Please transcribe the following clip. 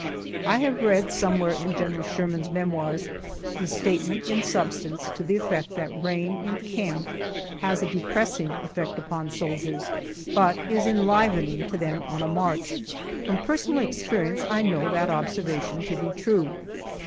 I have read, somewhere in Gen. Sherman's Memoirs, a statement in substance to the effect that rain in camp has a depressing effect upon soldiers, but is enlivening to them on a march. From personal experience I know that observation to be true.